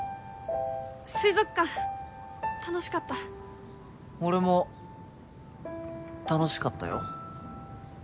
水族館楽しかった俺も楽しかったよ